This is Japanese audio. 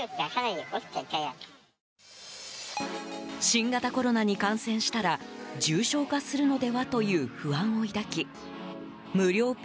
新型コロナに感染したら重症化するのではという不安を抱き無料